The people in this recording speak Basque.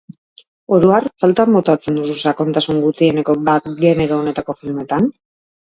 Oro har, faltan botatzen duzu sakontasun gutxieneko bat genero honetako filmetan?